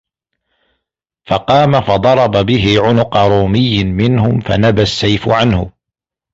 فَقَامَ فَضَرَبَ بِهِ عُنُقَ رُومِيٍّ مِنْهُمْ فَنَبَا السَّيْفُ عَنْهُ